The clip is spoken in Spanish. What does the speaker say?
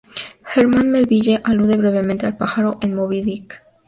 Herman Melville alude brevemente al pájaro en "Moby-Dick".